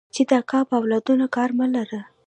چې د اکا په اولادونو کار مه لره.